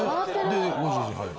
でご主人はい。